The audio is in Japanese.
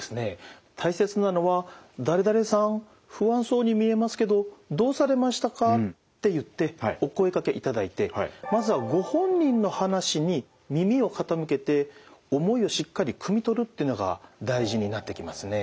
大切なのは「誰々さん不安そうに見えますけどどうされましたか？」って言ってお声がけいただいてまずはご本人の話に耳を傾けて思いをしっかりくみ取るっていうのが大事になってきますね。